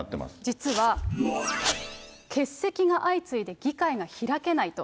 実は欠席が相次いで議会が開けないと。